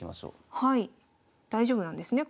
大丈夫なんですね？